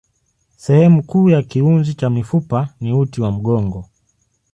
Sehemu kuu ya kiunzi cha mifupa ni uti wa mgongo.